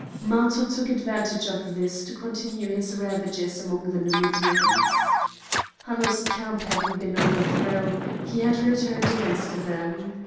Matho took advantage of this to continue his ravages among the Numidians. Hanno's camp having been overthrown, he had returned against them.